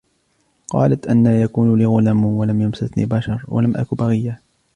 قالت أنى يكون لي غلام ولم يمسسني بشر ولم أك بغيا